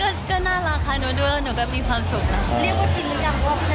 เรียกว่าชินหรือยังเพราะว่าพี่เจ้าเดชน์ก็บอกว่ารักคุณคืนน่ะ